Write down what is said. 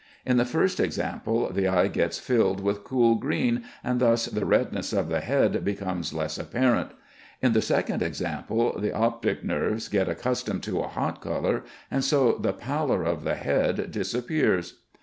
In the first example the eye gets filled with cool green, and thus the redness of the head becomes less apparent. In the second example, the optic nerves get accustomed to a hot color, and so the pallor of the head disappears.